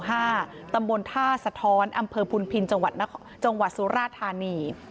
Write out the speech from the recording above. ตำรวจภูทรภัยสะท้อนอำเภอภูทรภินจังหวัดสุราธารณี